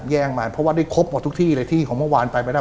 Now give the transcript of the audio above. แย่งมันเพราะว่าได้ครบหมดทุกที่เลยที่ของเมื่อวานไปไม่ได้